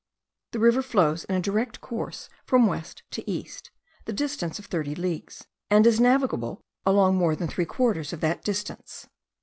The river flows in a direct course from west to east, the distance of thirty leagues, and it is navigable along more than three quarters of that distance.